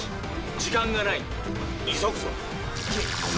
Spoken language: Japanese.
時間がない急ぐぞ。